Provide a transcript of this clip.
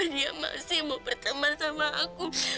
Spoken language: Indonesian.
dia masih mau berteman sama aku